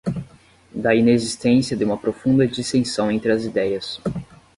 da inexistência de uma profunda dissenção entre as ideias